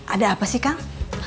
ada apa sih kang